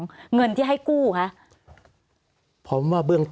สวัสดีครับทุกคน